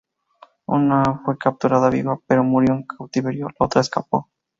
Una fue capturada viva pero murió en cautiverio, la otra escapó.